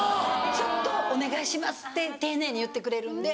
「ちょっとお願いします」って丁寧に言ってくれるんで。